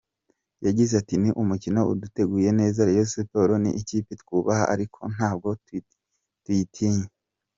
Yagize ati “Ni umukino duteguye neza, Rayon Sports ni ikipe twubaha ariko ntabwo tuyitinya.